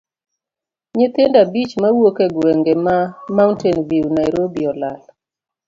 Nyithindo abich mawuok e gwenge ma mountain view Nairobi olal.